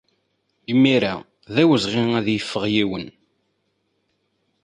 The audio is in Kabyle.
Imir-a, d awezɣi ad yeffeɣ yiwen.